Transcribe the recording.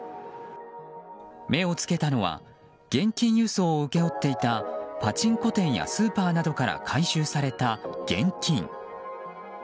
目を付けたのは現金輸送を請け負っていたパチンコ店やスーパーなどから回収された現金。